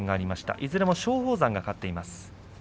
いずれも松鳳山が勝っています。